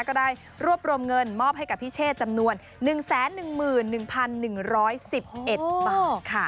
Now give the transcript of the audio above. ก็ได้รวบรวมเงินมอบให้กับพี่เชษจำนวน๑๑๑๑๑๑๑๑๑๑บาทค่ะ